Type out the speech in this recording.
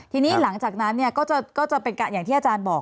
ทีนี้หลังจากนั้นก็จะเป็นอย่างที่อาจารย์บอก